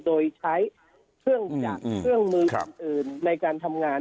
โดยใช้เครื่องจักรเครื่องมืออื่นในการทำงาน